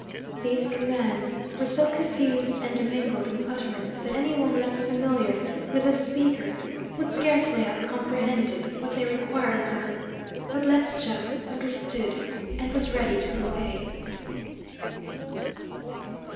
These commands were so confused and mingled in utterance that any one less familiar with the speaker would scarcely have comprehended what they required of her, but Ledscha understood and was ready to obey.